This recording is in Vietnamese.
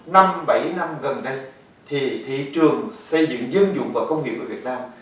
năm bảy năm gần đây thì thị trường xây dựng dân dụng và công nghiệp ở việt nam